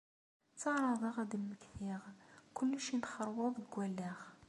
Ttaɛraḍeɣ ad d-mmektiɣ, kullec yenxarweḍ deg wallaɣ.